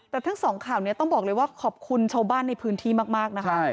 แต่ทั้งสองข่าวนี้ต้องบอกเลยว่าขอบคุณชาวบ้านในพื้นที่มากนะคะ